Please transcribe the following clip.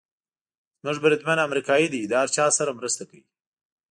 زموږ بریدمن امریکایي دی، له هر چا سره مرسته کوي.